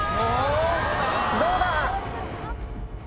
どうだ？